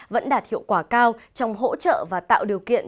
vẫn đạt hiệu quả cao trong hỗ trợ và tạo điều kiện